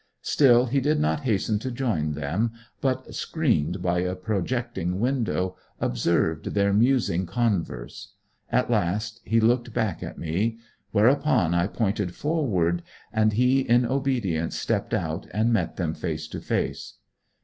Still he did not hasten to join them, but, screened by a projecting window, observed their musing converse. At last he looked back at me; whereupon I pointed forward, and he in obedience stepped out, and met them face to face.